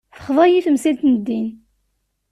Texḍa-yi temsalt n ddin.